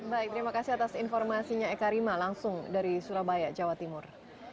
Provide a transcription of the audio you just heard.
baik terima kasih atas informasinya eka rima langsung dari surabaya jawa timur